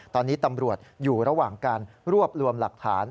ตอนนี้ตำรวจอยู่ระหว่างการรวบรวมหลักฐาน